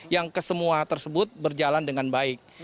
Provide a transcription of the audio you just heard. yang kesemua tersebut berjalan dengan baik